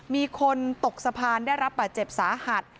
มีคนตกสะพานได้รับบาดเจ็บสาหัส